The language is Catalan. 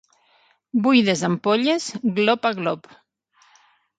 Buides ampolles, glop a glop.